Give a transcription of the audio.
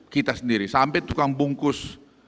kita sendiri sampai tukang bungkus